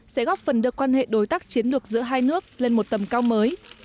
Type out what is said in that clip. sẽ góp phần đưa quan hệ đối tác chiến lược giữa hai nước lên một tầm cao mới